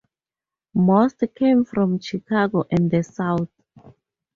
Most came from Chicago and the South.